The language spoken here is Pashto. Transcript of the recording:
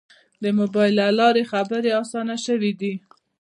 د موبایل له لارې خبرې آسانه شوې دي.